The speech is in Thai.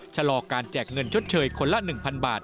ชะลอการแจกเงินชดเชยคนละ๑๐๐บาท